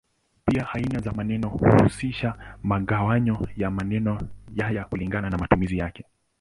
Pia aina za maneno huhusisha mgawanyo wa maneno hayo kulingana na matumizi yake.